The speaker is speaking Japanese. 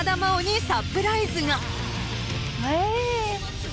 え！